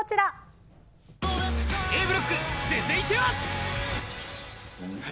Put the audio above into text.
Ａブロック、続いては。